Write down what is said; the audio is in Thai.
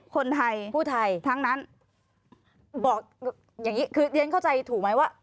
คนไทยผู้ไทยทั้งนั้นบอกอย่างนี้คือเรียนเข้าใจถูกไหมว่า